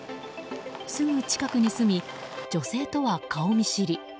すぐ近くに住み女性とは顔見知り。